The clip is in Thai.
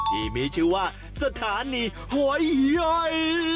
ที่มีชื่อว่าสถานีหอยย่อย